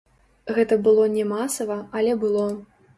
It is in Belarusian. Гэта было не масава, але было.